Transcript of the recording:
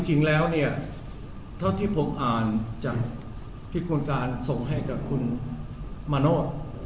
จริงแล้วเนี่ยเท่าที่ผมอ่านจากที่คุณการส่งให้กับคุณมาโนธ